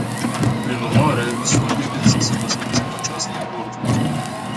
Prin urmare, solicit să se păstreze această ordine.